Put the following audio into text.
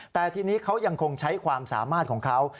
แต่ทีนี้เขายังคงใช้ความสามารถของเขา